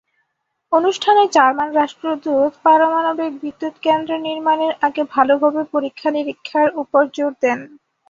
অনুষ্ঠানে জার্মান রাষ্ট্রদূত পারমাণবিক বিদ্যুৎকেন্দ্র নির্মাণের আগে ভালোভাবে পরীক্ষা-নিরীক্ষার ওপর জোর দেন।